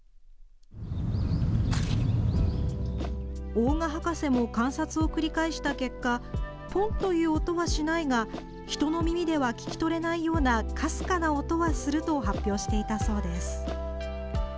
大賀博士も観察を繰り返した結果、ポンという音はしないが人の耳では聞き取れないようなかすかな音はすると発表していたそうです。